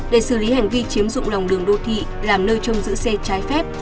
để xử lý hành vi chiếm dụng lòng đường đô thị làm nơi trong giữ xe trái phép